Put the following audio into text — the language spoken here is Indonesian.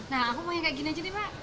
nah aku mau yang kayak gini aja nih pak